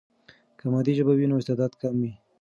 که مادي ژبه وي، نو استعداد کم وي.